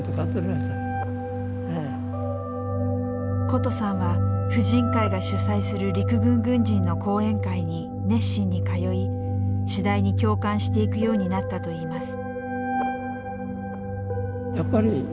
ことさんは婦人会が主催する陸軍軍人の講演会に熱心に通い次第に共感していくようになったといいます。